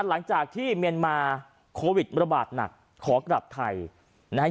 หลังจากที่เมียนมาโควิดระบาดหนักขอกลับไทยนะฮะ